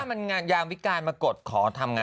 ถ้ามันยางวิการมากดขอทำงาน